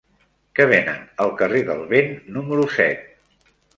Què venen al carrer del Vent número set?